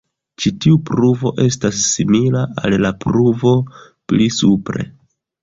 Ĉi tiu pruvo estas simila al la pruvo pli supre.